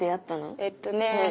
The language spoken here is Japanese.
えっとね。